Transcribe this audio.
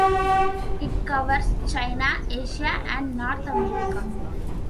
It covers China, Asia and North America.